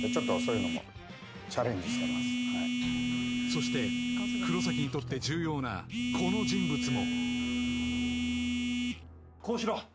そして黒崎にとって重要なこの人物も高志郎